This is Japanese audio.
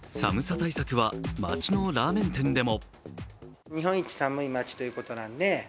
対策は街のラーメン店でも。